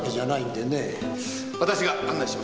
私が案内します。